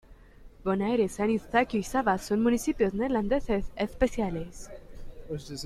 Bonaire, San Eustaquio y Saba son municipios neerlandeses especiales.